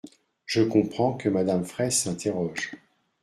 Je comprends que Madame Fraysse s’interroge.